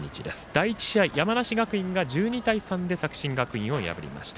第１試合、山梨学院が１２対３で作新学院を破りました。